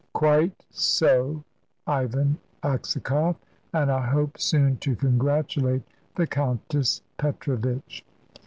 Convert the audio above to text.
"Quite so, Ivan Aksakoff, and I hope soon to congratulate the Countess Petrovitch."